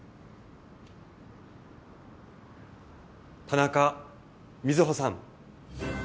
田中瑞穂さん。